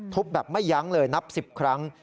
แบบไม่ยั้งเลยนับ๑๐ครั้ง